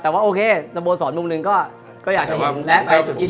แต่ว่าโอเคสโมสรมุมนึงก็อยากจะเห็นแล้ว